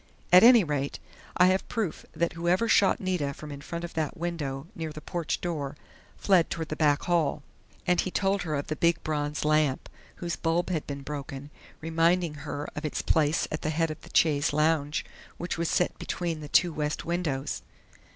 At any rate, I have proof that whoever shot Nita from in front of that window near the porch door fled toward the back hall." And he told her of the big bronze lamp, whose bulb had been broken, reminding her of its place at the head of the chaise longue which was set between the two west windows.